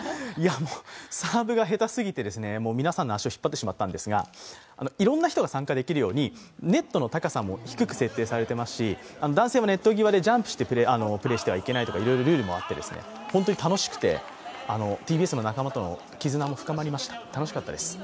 サーブが下手すぎて皆さんの足を引っ張ってしまったんですがいろんな人が参加できるようにネットの高さも低く設定されていますし男性もネット際でジャンプしてプレーしてはいけないとかいろいろルールもありまして本当に楽しくて、ＴＢＳの仲間との絆も深まりました、楽しかったです